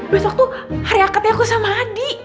besok tuh hari akadnya aku sama adi